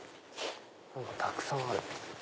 たくさんある。